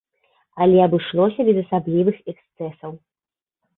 Але абышлося без асаблівых эксцэсаў.